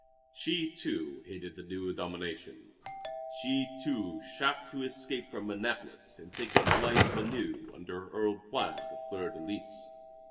She, too, hated the new domination. She, too, chafed to escape from Annapolis and take up life anew under her old Flag of the Fleur de lis.